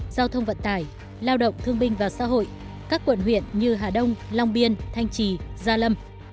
giao thông vận tải lao động thương binh và xã hội các quận huyện như hà đông long biên thanh trì gia lâm